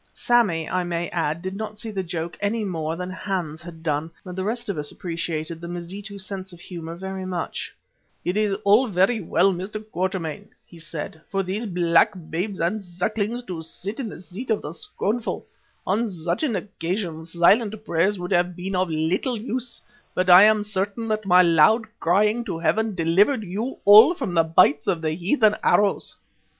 Sammy, I may add, did not see the joke any more than Hans had done, but the rest of us appreciated the Mazitu sense of humour very much. "It is very well, Mr. Quatermain," he said, "for these black babes and sucklings to sit in the seat of the scornful. On such an occasion silent prayers would have been of little use, but I am certain that my loud crying to Heaven delivered you all from the bites of the heathen arrows."